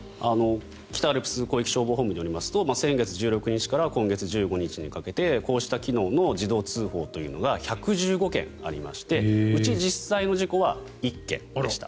北アルプス広域消防本部によりますと先月１６日から今月１５日にかけてこうした機能の自動通報というのが１１５件ありましてうち実際の事故は１件でした。